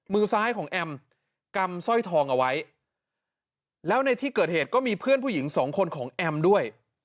มือซ้ายของแอมกำสร้อยทองเอาไว้แล้วในที่เกิดเหตุก็มีเพื่อนผู้หญิงสองคนของแอมด้วย